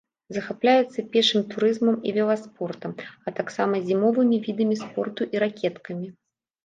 Захапляецца пешым турызмам і веласпортам, а таксама зімовымі відамі спорту і ракеткамі.